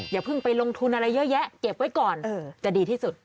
อย่าเพิ่งไปลงทุนอะไรเยอะแยะเก็บไว้ก่อนจะดีที่สุด